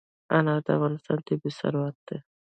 انار د افغانستان طبعي ثروت دی.